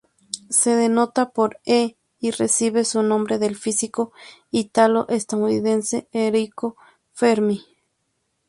Se denota por "E" y recibe su nombre del físico italo-estadounidense Enrico Fermi.